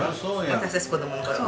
私たち子供の頃は。